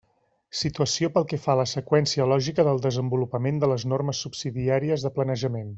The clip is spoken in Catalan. Situació pel que fa a la seqüència lògica del desenvolupament de les normes subsidiàries de planejament.